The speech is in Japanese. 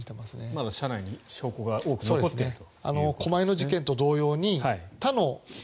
まだ車内に証拠が多く残っていると。